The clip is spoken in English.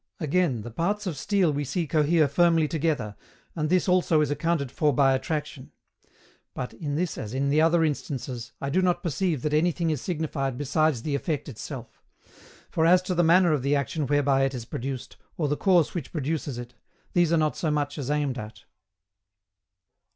Again, the parts of steel we see cohere firmly together, and this also is accounted for by attraction; but, in this as in the other instances, I do not perceive that anything is signified besides the effect itself; for as to the manner of the action whereby it is produced, or the cause which produces it, these are not so much as aimed at.